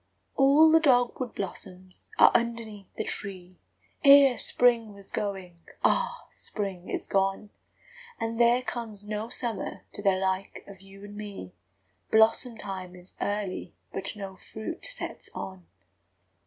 III All the dog wood blossoms are underneath the tree! Ere spring was going ah! spring is gone! And there comes no summer to the like of you and me, Blossom time is early, but no fruit sets on.